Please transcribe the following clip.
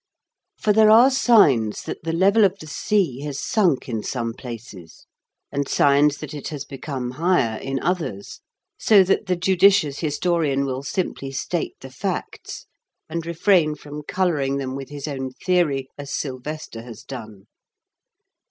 For there are signs that the level of the sea has sunk in some places, and signs that it has become higher in others, so that the judicious historian will simply state the facts, and refrain from colouring them with his own theory as Silvester has done.